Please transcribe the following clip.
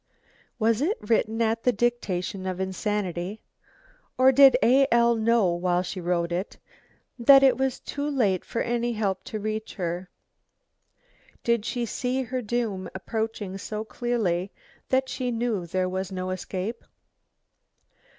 Was it written at the dictation of insanity? or did A. L. know, while she wrote it, that it was too late for any help to reach her? Did she see her doom approaching so clearly that she knew there was no escape?